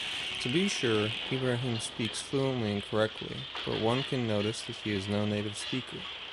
To be sure, Ibrahim speaks fluently and correctly, but one can notice that he is no native speaker.